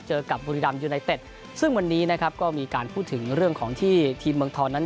กับบุรีรัมยูไนเต็ดซึ่งวันนี้นะครับก็มีการพูดถึงเรื่องของที่ทีมเมืองทองนั้น